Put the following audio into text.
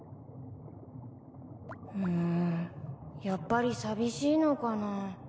うんやっぱり寂しいのかな？